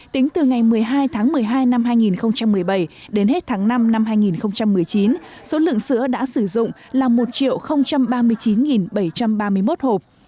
tính từ ngày một mươi hai tháng một mươi hai năm hai nghìn một mươi bảy đến hết tháng năm năm hai nghìn một mươi chín số lượng sữa đã sử dụng là một ba mươi chín bảy trăm ba mươi một hộp